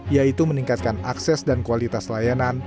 yaitu meningkatkan akses dan kualitas layanan